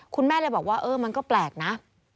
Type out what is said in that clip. คุณแม่เลยบอกว่าเออมันก็แปลกนะ